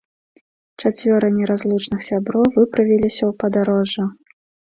Чацвёра неразлучных сяброў выправіліся ў падарожжа.